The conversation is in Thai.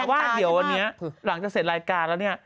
แต่ว่าเดี๋ยววันนี้หลังจากเสร็จรายการแล้วเนี่ย